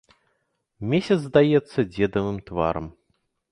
Месяц здаецца дзедавым тварам.